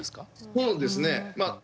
そうですね。